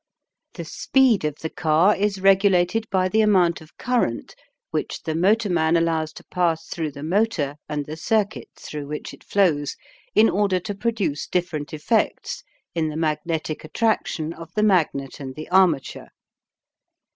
The speed of the car is regulated by the amount of current which the motorman allows to pass through the motor and the circuits through which it flows in order to produce different effects in the magnetic attraction of the magnet and the armature.